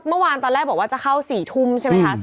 เมื่อวานตอนแรกบอกว่าจะเข้า๔ทุ่มใช่ไหมคะ